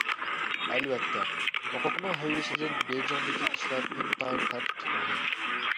ئەلۋەتتە، ھوقۇقنىڭ ھەيۋىسىدىن بېيجىڭدىكى ئىشلار ئىنتايىن تەرتىپلىك ماڭىدۇ.